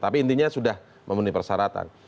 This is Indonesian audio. tapi intinya sudah memenuhi persyaratan